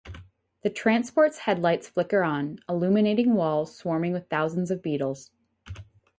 The transport's headlights flicker on, illuminating walls swarming with thousands of beetles.